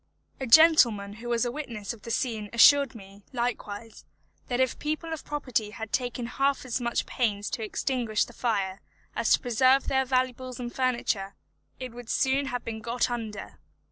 A gentleman who was a witness of the scene assured me, likewise, that if the people of property had taken half as much pains to extinguish the fire as to preserve their valuables and furniture, it would soon have been got under.